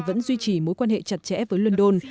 vẫn duy trì mối quan hệ chặt chẽ với london